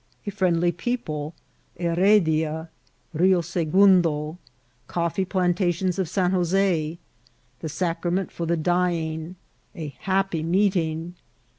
— A friendly People.— Heredia^ Rio Segondo.— Coffee phntatioiis of San Joi4.— The SacrameDt for the Dyiof.~A happy MeeUng.